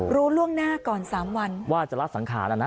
อ๋อรู้ล่วงหน้าก่อนสามวันว่าจะล่าสังขารอ่ะนะ